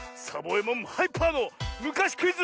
えもんハイパーのむかしクイズ